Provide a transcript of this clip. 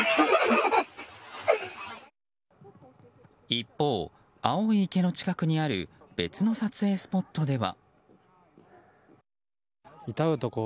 一方、青い池の近くにある別の撮影スポットでは。